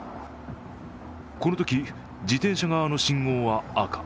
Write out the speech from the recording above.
このとき自転車側の信号は赤。